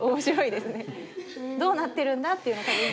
どうなってるんだっていうのを多分今。